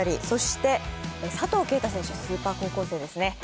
そして佐藤圭汰選手、スーパー高校生ですね。